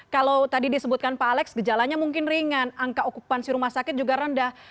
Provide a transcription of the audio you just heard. kalau tadi disebutkan pak alex gejalanya mungkin ringan angka okupansi rumah sakit juga rendah